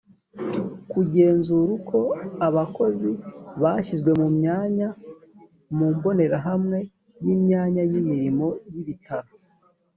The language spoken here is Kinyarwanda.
kugenzura uko abakozi bashyizwe mu myanya mu mbonerahamwe y imyanya y imirimo y ibitaro